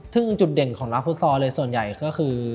ซึ่งจุดเด่นของนักฟุตซอลเลยส่วนใหญ่ก็คือ